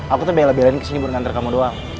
aku tuh beli beli kesini buat ngantre kamu doang